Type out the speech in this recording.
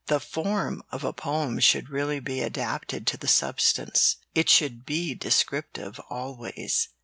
The form of a poem should really be adapted to the substance. It should be descriptive, always.